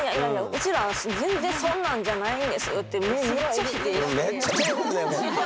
うちら全然そんなんじゃないんです」ってめっちゃ否定して。